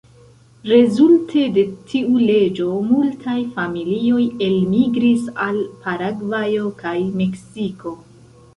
Rezulte de tiu leĝo multaj familioj elmigris al Paragvajo kaj Meksiko.